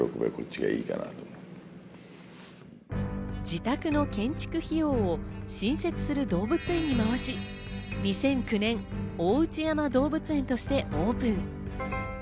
自宅の建築費用を新設する動物園に回し、２００９年、大内山動物園としてオープン。